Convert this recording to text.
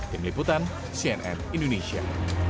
tim liputan cnn indonesia